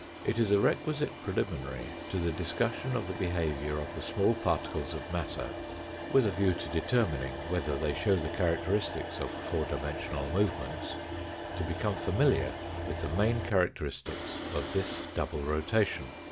It is a requisite preliminary to the discussion of the behaviour of the small particles of matter, with a view to determining whether they show the characteristics of four dimensional movements, to become familiar with the main characteristics of this double rotation.